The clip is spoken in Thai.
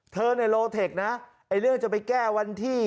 ในโลเทคนะไอ้เรื่องจะไปแก้วันที่